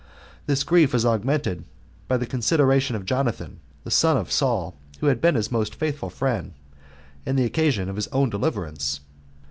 This grief was augmented by the consideration of Jonathan; the son of Saul, who had been his most faithful friend, and the occasion of his own deliverance.